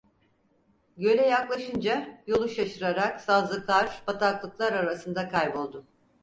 Göle yaklaşınca yolu şaşırarak sazlıklar, bataklıklar arasında kayboldum.